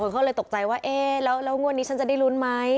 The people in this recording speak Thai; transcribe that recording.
เขาเลยตกใจว่าเอ๊ะแล้วงวดนี้ฉันจะได้ลุ้นไหม